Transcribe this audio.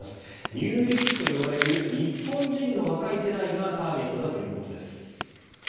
ニューリッチと呼ばれる日本人の若い世代がターゲットだということです。